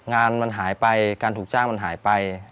งานมันหายไปการถูกจ้างมันหายไป